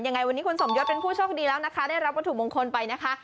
ยังไงวันนี้คุณสมยศเป็นผู้โชคดีแล้วนะคะได้รับวัตถุมงคลไปนะคะ